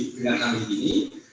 dengan ahli ini